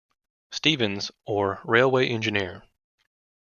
Stevens" or "Railway Engineer".